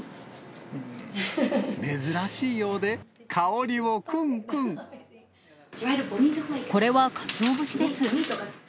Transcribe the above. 珍しいようで、香りをくんくこれはかつお節です。